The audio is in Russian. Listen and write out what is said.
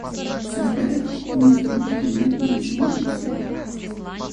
Все в порядке, и никто от меня ничего не узнает».